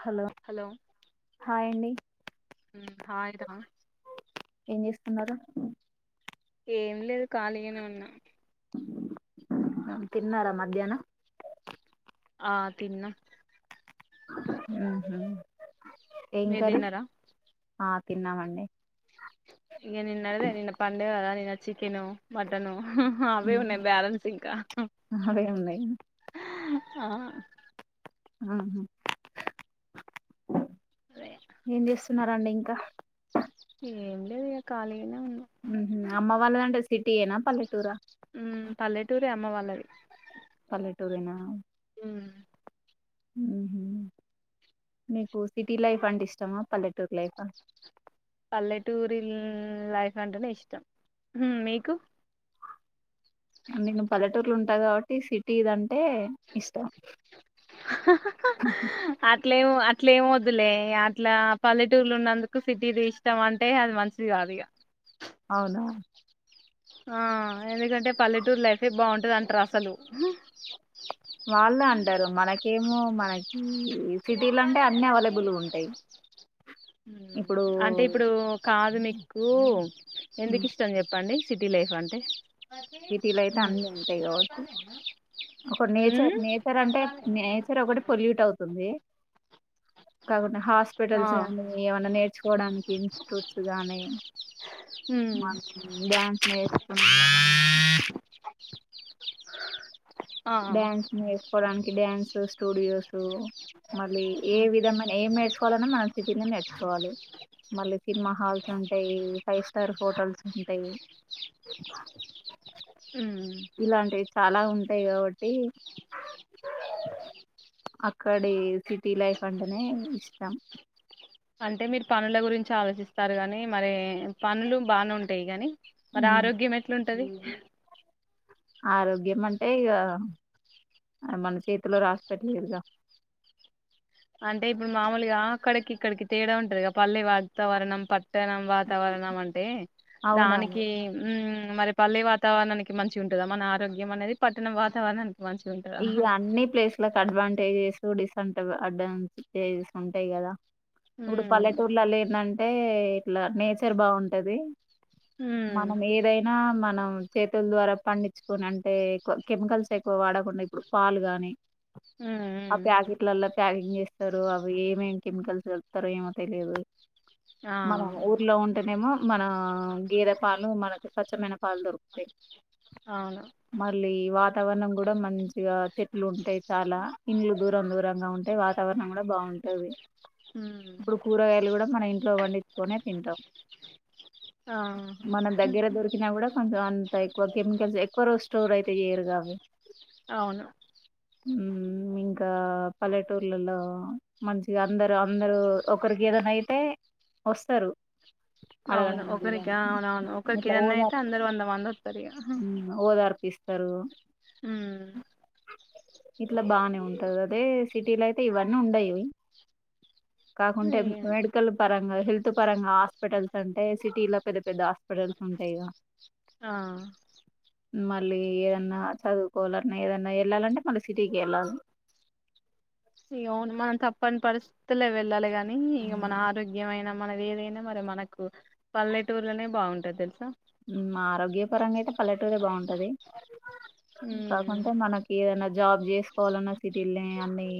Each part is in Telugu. హలో హయండి హాయ్ రా ఏం చేస్తున్నారు ఏం లేదు ఖాళీ గనే ఉన్నా తిన్నారా మధ్యాహ్నం ఆ తిన్నం హుమ్ మీరు తిన్నారా ఆ తిన్నామండి ఇక నిన్న నడదే నిన్న పండేదా నిన్న చికెను మటను ఆహా అవే ఉన్నాయి బ్యాలెన్స్ ఇంకా అవే ఉన్నాయి ఆ ఆ అదే ఏం చేస్తాం చస్తున్నారండి ఇంకా ఏం లేదు కాళీ ఊహూ అమ్మ వాళ్ళదంట సిటీనా పల్లెటూరా ఉమ్, పల్లెటూరే అమ్మ వాళ్ళది పల్లెటూరేనా ఆ మీకు సిటీ లైఫ్ అంటే ఇష్టమా పల్లెటూరు లైఫా పల్లెటూరి లైఫ్ అంటేనే ఇష్టం మీకు నేను పల్లెటూర్లు ఉంటా కాబట్టి సిటీదంటే ఇష్టం అహహా అది అట్లమ్ అట్లే ఏం వద్దులే అట్లా పల్లెటూర్లు ఉన్నందుకు సిటీది ఇష్టం అంటే అది మంచిది కాదు ఇగ అవునా ఆ ఎందుకంటే పల్లెటూరు లైఫే బాగుంటది అంటారు అసలు ఉ వాళ్ళు అంటారు. మనకేం ఊ మనకీ ఊ ఇప్పుడు అంటే ఇప్పుడు కా కాదునిక్కు ఎందుకిష్టం చెప్పండి. సిటీ లైఫ్ అంటే సిటిలో అయితే ఉమ్ అన్ని ఉంటాయి కాబట్టి ఒక నేచర్ ఉమ్ నేచర్ అంటే నేచర్ ఒకటి పొల్యూట్ అవుతుంది. కాబట్టి హాస్పిటల్స్ కానీ ఏమన్నా నేర్చుకోవడానికి ఇన్స్టిట్యూట్స్ గానీ మనం డ్యాన్స్ నేర్చుకు ఆ డ్యాన్స్ నేర్చుకోడానికి డ్యాన్సు స్టూడియోస్ మళ్ళీ ఏ విధమైన ఏం నేర్చుకోవాలన్నా మనం సిటీలో నేర్చుకోవాలి. మళ్ళీ సినిమా హాల్స్ ఉంటాయి ఫైవ్ స్టార్ హోటల్స్ ఉంటాయి. ఉమ్ ఇలాంటివి చాలా ఉంటాయి కాబట్టి అక్కడి సిటీ లైఫ్ అంటేనే ఇష్టం. అంటే మీరు పనుల గురించి ఆలోచిస్తారు గాని మరి పనులు బానే ఉంటాయి కాని. మరి ఉమ్. ఆరోగ్యం ఎట్లుంది. టది. ఆరోగ్యం అంటే ఇగ మన చేతులో రాసి పెట్టి లేదుగా. అంటే ఇప్పుడు మామూలుగా అక్కడికి ఇక్కడికి తేడా ఉంటది పల్లె వాతావరణం పట్ పట్టణం వాతావరణం అంటే అవునవును దానికి ఊ. మరి పల్లె వాతావరణానికి మంచి ఉంటాదా మన ఆరోగ్యం అనేది పట్టణం వాతావరణాని. ఈ అన్ని ప్లేస్లకు అడ్వాంటేజ్స్. టుడేస్ అంటరు. అడ్వాంటేజ్స్ ఉంటాయి కదా. ఇప్పుడు ఉమ్ పల్లెటూర్లల్లో ఏంది. ఏయ్ ఏయ్ ఇట్లా నేచర్ బాగుంటాది ఉమ్ మనం ఏదైనా మనం. చేతులు ద్వారా పండించుకుని అంటే ఎక్కువ కెమికల్స్ ఎక్కువ వాడకుండా. ఇప్పుడు పాలు గాని. హ్మ్. ఆ హ్మ్. ప్యాకీట్లల్లో ప్యాకింగ్ చేస్త చేస్తారు అవి ఏమేం కెమికల్స్ కలుపుతారు ఏమో తెలీదు. ఆ! మనం ఊర్లో ఉంటానేమో. మన గేదె పాలు మనకు స్వచ్చమైన పాలు దొరుకుతాయి. అవును. మళ్ళీ. వాతావరణం గుడా మం గా చెట్లు ఉంటాయి చాలా ఇండ్లు దూరం దూరంగా ఉంటాయి వాతావరణం కూడా బాగుంటది. హ్మ్. ఇప్పుడు కూరగాయలు కూడా మన ఇంట్లో పండించుకొనే తింటాం. ఆహా! మన దగ్గర దొరికినా గుడా కొంచం అంత ఎక్కువ కెమికల్స్ ఎక్కువ రో స్టోర్ అయితే చేయరు అవి అవును. ఇంకా పల్లెటూర్లలో మంచిగా అందరు అందరు ఒకరికి ఏదన్న అయితే వస్తారు అవును అడగడానికి ఒకరికి గాని అవునవును ఒకరికి ఏదన్నా అయితే అందరు వంద మంది ఓదార్పు ఇస్ తరు మ్ ఇట్ల బానే ఉంటది. అదే సిటీలో అయితే ఇవన్నీ ఉండయి ఇగ కాకుంటే మెడికల్ పరంగా హెల్త్ పరంగా హాస్పిటల్స్ అంటే సిటీలో పెద్ద పెద్ద హాస్పిటల్స్ ఉంటాయిగా ఆ మళ్ళీ ఏదన్నా చదువుకోవాలన్నా ఏదన్నా వెళ్ళాలంటే మళ్ళీ సిటీకే వెళ్ళాలి ఇగ అవును మనం తప్పని పరిస్థితులే వెళ్ళాలి గాని ఇక మన ఆరోగ్యమైన మనది ఏదైనా మరి మనకు పల్లెటూర్లనే బాగుంటది తెల్సా మ్ ఆరోగ్య పరంగా అయితే పల్లెటూరే బాగుంటది హ్మ్. కాకుంటే మనకి ఏదన్న జాబ్ చేస్కోవాలన్న సిటీల్ అన్ని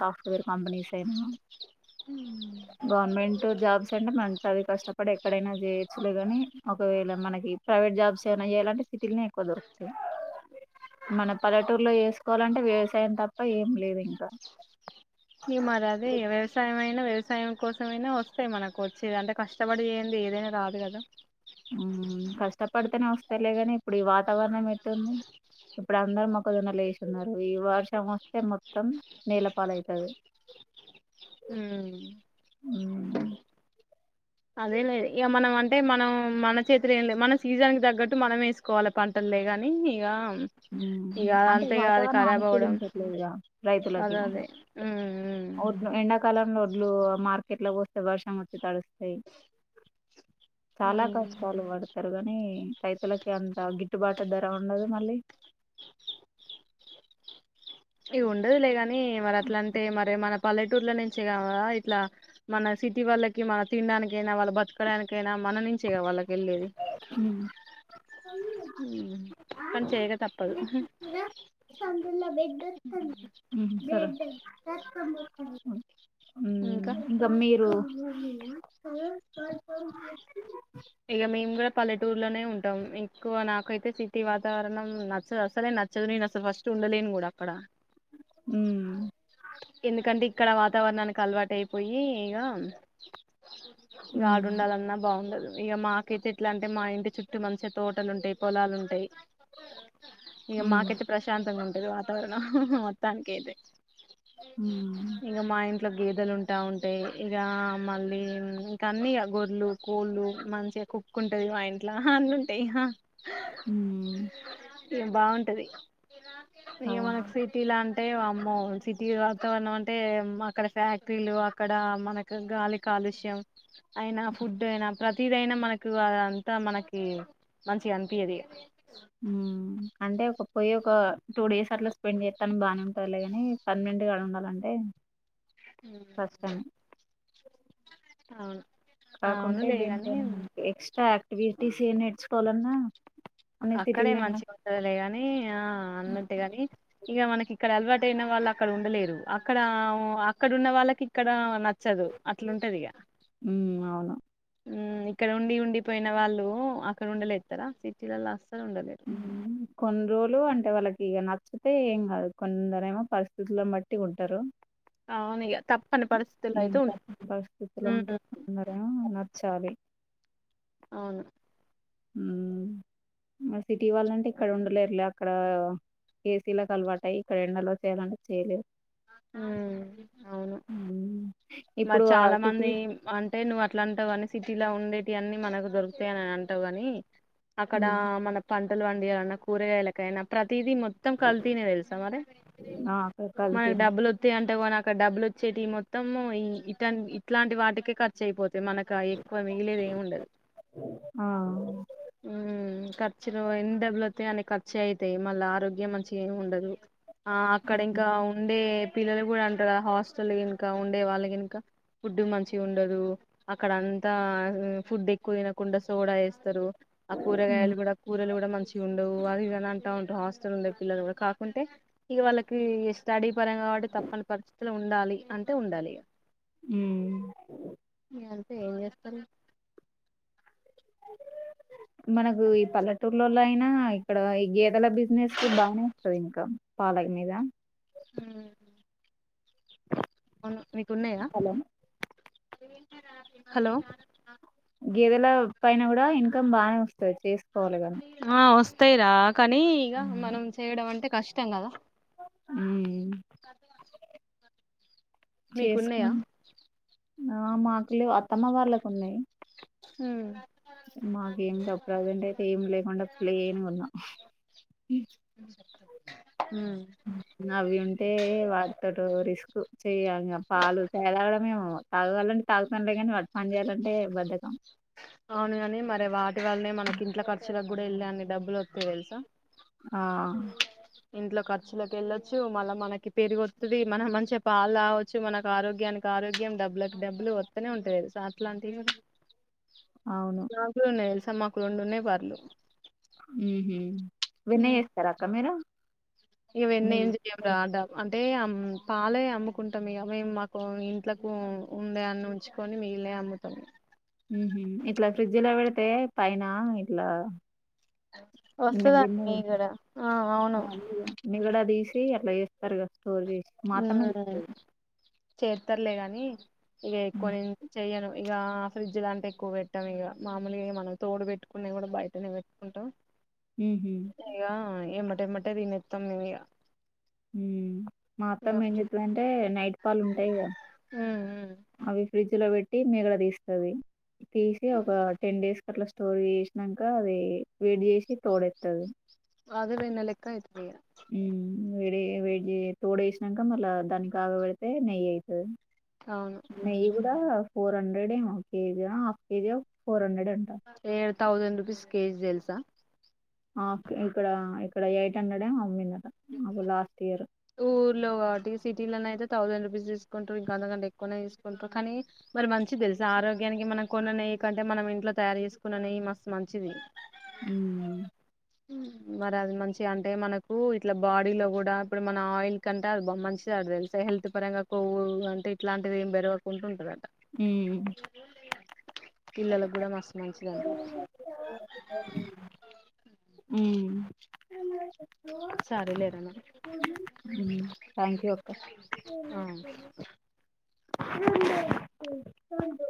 సాఫ్ట్వేర్ కంపెనీస్ అయినా హ్మ్. గవర్మెంట్ జాబ్స్ అంటే మనం చదివి కష్టపడి ఎక్కడైనా చేయొచ్చులేగానీ ఒకవేళ మనకి ప్రైవేట్ జాబ్స్ ఏమైనా చేయాలంటే సిటీల్నే ఎక్కువ దొరుకుతాయి. మన పల్లెటూర్లో చేసుకోవాలంటే వ్యవసాయం తప్ప ఏం లేదు ఇంకా ఈ మరదే వ్యవసాయమైన వ్యవసా సాయం కోసమైనా వస్తాయి మనకు వచ్చేది అంటే కష్టపడి చేయంది ఏదైనా రాదు కదా హూ కష్టపడితేనే వస్తాలేగాని ఇప్పుడు ఈ వాతావరణం ఎట్టుంది ఇప్పుడు అందరు మొక్క జోన్నలు వేస్తున్నారు ఈ వర్షం వస్తే మొత్తం నీళ్ల పాల్ అయితది హ్మ్ అదేలే ఇగ మనం అంటే మనం మన చేతుల ఏం లేదు మన సీజన్ తగ్గట్టు మనం వేసుకోవాలి పంటలే కాని ఇక ఇక అంటే అంతే ఇక అది వాతావరణం ఖరాబ్ అవ్వడం అనుకూలించట్లేదుగా రైతులకి అదే అదే ఉమ్ వడ్లు ఎండాకాలంలో వడ్లు మార్కెట్ల పోస్ వర్షం వచ్చి తడి స్తయి ఉమ్ చాలా ఉమ్. కష్టాలు పడు స్తారు గని రైతులకి అంత గిట్టుబాటు ధర ఉండదు మళ్ళీ ఇగ ఉండదులే గాని మరి అట్ల అంటే మరి మన పల్లెటూర్ల నుంచే కా ఇట్ల మన సిటీ వాళ్ళకి మన తినడానికైనా వాళ్ళు బతకడానికైనా మన నుంచే కా వాళ్ళకి వెళ్ళేది ఉమ్. కానీ చేయక తప్పదు. మ్ బ్లడ్ రక్తం పోతంది ఉ ఇంకా మీరు ఓమీల పోత్ ఇగ మేము కూడా పల్లెటూరులోనే ఉంటాం ఎక్కువ నాకైతే సిటీ వాతావరణం నచ్చదు అసలే నచ్చదు నేను అసలు ఫస్ట్ ఉండలేను కూడా అక్కడ ఉ ఎందుకంటే ఇక్కడ వాతావరణానికి అలవాటు అయిపోయి ఇగ ఉమ్ గాడు ఉండాలన్నా బాగుండదు ఇగ మాకైతే ఎట్లా అంటే మా ఇంటి చుట్టూ మంచిగా తోటలు ఉంటాయి పొలాలు ఉంటాయి ఇగ ఉమ్ మాకు అయితే ప్రశాంతంగా ఉన్ అ వాతవరణం మొత్తాని కైయితే ఉమ్ ఇంగ మాయన్ ఇగ గేదెలు ఉంటా ఉంటాయి ఇక మళ్ళీ ఇంకా అన్ని గొర్లు కోళ్ళు మంచిగా కుక్క ఉంటది మా ఇంట్ల హ అన్ని ఉంటాయి హ ఉ ఏం బాగుంటది ఆ ఇగ మనకు సిటీ లా అన్ ఏ అమ్మ సిటీ వాతావరణం అంటే అక్కడ ఫ్యాక్టరీలు అక్కడ మనకు గాలి కాలుష్యం అయినా ఫుడ్ అయినా ప్రతిదైనా మనకు అదంతా మనకి మంచిగా అనిపియ్యది ఇగ ఉ అంటే ఒక పోయి ఒక టూ డేస్ అట్లా స్పెండ్ చెత్తనికి బాగానే ఉంటలే గాని పర్మినెంట్గా ఉండాలంటే కష్టం అవును కాకుంటే అవునులే గాని దీనిపైనే మనకి ఎక్స్ట్రాక్ వీటిసీ నేర్చుకోవాలన్నా అన్ని అక్కడే సిటీల్నేనా మంచిగా ఉంటదిలే గాని ఆ అన్నట్టు గాని ఇగా మనకి ఇక్కడ అలవాటు అయిన వాళ్ళు అక్కడ ఉండలేరు అక్కడ అక్కడ ఉన్న వాళ్ళకి ఇక్కడ నా చదు అట్లా ఉంటది ఇగ ఉమ్ అవును ఉ ఇక్కడ ఉండి ఉండిపోయిన వాళ్ళు అక్కడ ఉండలేత్తరా సిటీ లలా కొన్ని రోజులు అంటే వాళ్ళకి ఇగ నా చ్చుతే ఏం కాదు కొందరు ఏమో పరిస్థితులను బట్టి ఉంటారు అవును ఇగ తప్పని పరిస్థితుల్లో ఈ అయితే ఉం పరిస్థితిలో హ్మ్ ఉంటే అందరేమో నచ్చాలి అవును ఉ మరి సిటీ వాళ్ళంటే ఇక్కడ ఉండలేరు లే అక్కడ ఏసీలకు అలవాటు ఇక్కడ ఎండలో చేయాలంటే చేయలేరు ఆ అవును హ్మ్. మరి ఇప్పుడు ఆ చాలా సిటీ మంది అంటే నువ్ ఇట్లా అంటావు కాని సిటీలా ఉండేవి అన్ని మనకు దొరుతాయని అని అంటావు గాని అక్కడ హ్మ్. మన తన్ పండియాలన్న కూరగాయలకైన ప్ర కల్తీ మొత్తం కల్తీనే తెలుసా మరీ ఆ! అక్కడ మన కల్తీనే. అంటే అ డబ్బులు వచ్చేటి మొత్తము ఇట్లా ఇట్లాంటి వాటికే ఖర్చయిపోతుంది. మనకు ఎక్కువ మిగిలేది ఏమిండదు ఆ! హు ఖర్చులు ఎన్ని డబ్బులొస్తయి అన్ని మంచి అయితయి మళ్ళీ ఆరోగ్యం మంచిగేముండదు ఆ అక్కడ ఇంకా అంటే పిల్లలు కూడా అంటారు హాస్టల్ ఇంకా ఉండే వాళ్ళకి ఇంకా ఫుడ్ మంచి ఉండదు అక్కడ అంతా ఆ ఫుడ్ ఎక్కువ తినకుండ సోడాఏస్తరు. ఆ కూరగాయలు కూడా కూరలు కూడా మంచిగుండవు అవీ ఇవి అని అంటా ఉంటరు. హాస్టల్ ఉండే పిల్లలు కూడా కా అంటే ఇగ వాళ్ళకీ తడి పరంగా కాబట్టి తప్పని పరిస్థితి ఉండాలి అంటే ఉండాలి ఊ అంటే ఏం చేస్తరు. మనకు ఈ పల్లెటూర్లలో అయినా ఇక్కడ ఈ గేదెల బిజినెస్ కి బాగానే అస్తది ఇంకా పాల మీద హూ అవును మీకు ఉన్నయా పొలం అదేంటిరా గేదెల పైన కూడా ఇన్కమ్ బానే వస్తది చేసుకోవాలి. కానీ వస్తాయిరా కానీ ఇగ మనం చేయడం అంటే కష్టం కదా ఊ మీకున్నయా ఆ మాకు లెవ్ అత్తమ్మ వాళ్ళకు ఉన్నాయ్ హూ మాకేం [unintelligible] ప్రెజెంట అయితే ఏం లేకుండా ప్లేన్గున్నం అవి ఉంటే వాడ్తోటో రిస్క్ చెయ్యాలిగ పాలు తాగడమేమో తాగాలంటే తాగుతాన్లే కానీ పని చెయాలంటే బద్దకం అవునుగని మరి వాటి వల్లనే మనకి ఇంట్ల మనకూడ ఎల్లే అన్ని డబ్బులొస్తయి తెలుసా ఆ ఇంట్లో ఖర్చులకెళ్ళొచ్చ మల్లి మనకు పెరుగొస్తది మనం మంచిగా పాల్ తాగొచ్చు మనకు ఆరోగ్యానికి ఆరోగ్యం డబ్బులకిడబ్బులు వస్తూనే ఉంటయి. తెల్సా [unintelligible] అవును గ్లాసులున్నయ్ మాకు రెండు ఉన్నాయ్ బర్లు ఊహు వెన్నచేస్తారా అక్క మీరు ఈ నెయ్యి వెన్నేంది దేవుడా నెయ్యి అడ్డంకులు అంటే అమ్ పాలే అమ్ముకుంటం ఇగ మేమ్ మాకు ఇంట్లకు ఉండే అన్ని ఉంచుకొని మిగిలనై అమ్ముతం ఉహు ఇట్లా ఫ్రిడ్జిల పెడితే పైన ఇట్ల వస్తదండి మీగడ ఆ ఆవును సి అట్ల చేస్తర్ గ [unintelligible] మా అత్తమ్మ చోపెదీ చేరుతారులే గాని ఇక ఎక్కువ నం చెయ్యను ఇగ ఫ్రిడ్జ్ లాంటే ఎక్కువ పెట్టాం ఇక మామూలుగా మనం తోడు పెట్టుకునే కూడ బయటనే పెట్టుకుంటాం ఉహు యా ఎండ్ అట్టేమటే దీనిత్తాం మేము మ్ ఇగ మాత్తం ఏం ఫ్రి చెతుందంటే నైట్ పాలు ఉంటాయి కద మ్మ్ మ్మ్ అవి ఫ్రిజ లో పెట్ మేడ తీస్తది తీసి ఒక టెన్ డేస్ అట్లా స్టోరీ చేసినాక అది వేట్ చేసి తోడెస్తది అదే బయిన లక్క యితు బయ మ్ వేడి వేడి తోడ వేసినాక మళ్ళా దానికి కాగబెడితే నెయ్యి అయితది అవును నెయ్యి కూడా ఫోర్ హండ్రెడ్ ఎం కేజ హఫ్ కేజీ ఫోర్ హండ్రెడ్ అంట స థౌసండ్ రుపీస్ కేజి తెల్సా అ ఇక్కడ ఇక్కడ ఎయిట్ హండ్రెడ్ అమ్మి ఊర్ లోగాటి సిటీలో నతే థౌసండ్ రూపీస్ తీసుకుంటారు ఇంకా అంతకంటే ఎక్కువనే తీసుకుంటారు, కానీ మరి మంచిది తెలుసు ఆరోగ్యానికి మనం కొన్నయి కంటే మనం ఇంట్లో తయారు చేసుకున్ననయి మ మంచిది ఉమ్ ఉమ్ మరి అది మంచిగా అంటే మనకు ఇ ఇట్లా బాడీలో కూడా ఇప్పుడు మన ఆయిల్ కంటే అ బా మంచిది అది తెలుసా హెల్త్ పరంగా కొవ్వు అంటే ఇట్లాంటిది ఏం పెరగకుంటూ ఉంటది హ్మ్ పిల్లలకు కూడా మస్తు మంచిది అంటది హ్మ్ సార లేరనా థ్యాంక్ యూ అక్క ఆ [unintelligible] చూడు చూడు